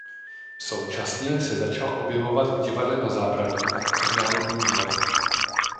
Současně se začal objevovat v Divadle Na zábradlí a v Národním divadle.